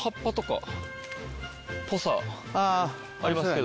ぽさありますけど。